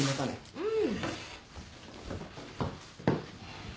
うん。